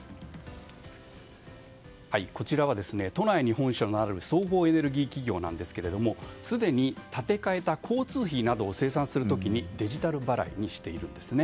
こちらは都内に本社のある総合エネルギー企業なんですがすでに立て替えた交通費などを清算する時にデジタル払いにしているんです。